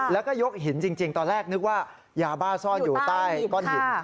แล้วก็ยกหินจริงตอนแรกนึกว่ายาบ้าซ่อนอยู่ใต้ก้อนหิน